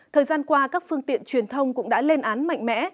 thời gian qua các phương tiện truyền thông cũng đã lên án mạnh mẽ